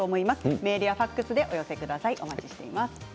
メールやファックスでお寄せください。